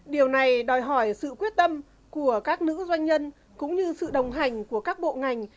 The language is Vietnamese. điều này đòi hỏi sự quyết tâm của các nữ doanh nhân cũng như sự đồng hành của các bộ ngành